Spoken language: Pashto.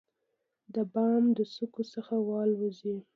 د بام د څوکو څخه والوزي،